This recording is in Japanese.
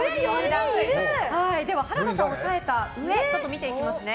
原田さんを抑えた上見ていきますね。